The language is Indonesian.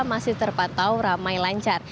masih terpantau ramai lancar